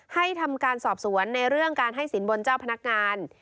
ให้ทำการสอบสวนในเรื่องการให้สินบนเจ้าพนักงาน